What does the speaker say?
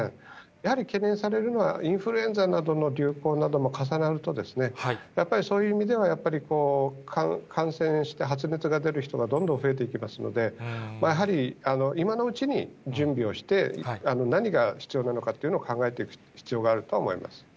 やはり懸念されるのは、インフルエンザなどの流行なども重なると、やっぱりそういう意味では、やっぱり感染して、発熱が出る人がどんどん増えていきますので、やはり、今のうちに準備をして、何が必要なのかというのを考えていく必要があるとは思います。